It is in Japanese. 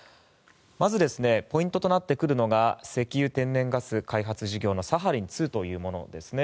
まず、ポイントとなってくるのが石油・天然ガス開発事業のサハリン２というものですね。